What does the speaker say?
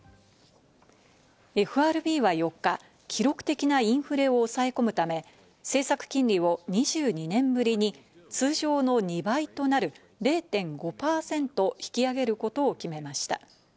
ＦＲＢは４日、記録的なインフレを抑え込むため、政策金利を２２年ぶりに通常の２倍となる０．５％引き上げることを決めました。